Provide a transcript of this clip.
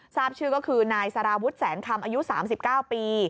ทราบชื่อก็คือนายสารวุฒิแสนคำอายุ๓๙ปี